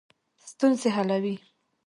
ستونزې حلوي.